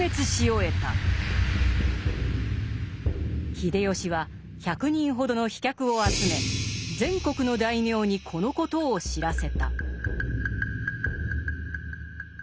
秀吉は１００人ほどの飛脚を集め全国の大名にこのことを知らせた。